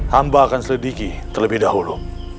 hamba akan selidiki terlebih dahulu